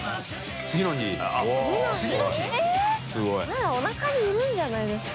まだおなかにいるんじゃないですか？